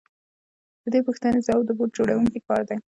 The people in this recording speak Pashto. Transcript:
د دې پوښتنې ځواب د بوټ جوړونکي کار دی